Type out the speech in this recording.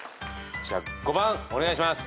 じゃあ５番お願いします。